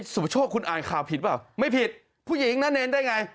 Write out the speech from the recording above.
สุประโชคคุณอ่านข่าวผิดเปล่าไม่ผิดผู้หญิงนะเนรได้ไง